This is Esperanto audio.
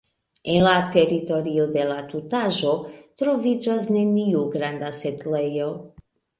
En la teritorio de la tutaĵo troviĝas neniu granda setlejo.